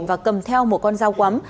và cầm theo một con dao quắm